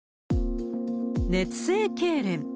熱性けいれん。